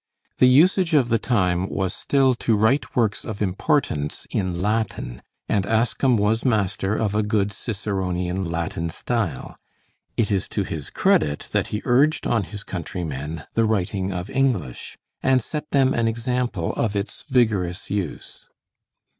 The usage of the time was still to write works of importance in Latin, and Ascham was master of a good Ciceronian Latin style. It is to his credit that he urged on his countrymen the writing of English, and set them an example of its vigorous use.